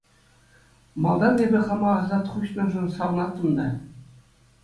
Малтан эпӗ хама асат хуҫнӑшан савӑнаттӑм та.